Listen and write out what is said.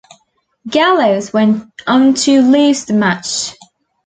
Gallows went on to lose the match.